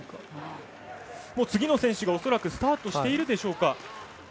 次の選手が恐らくスタートしているでしょうか。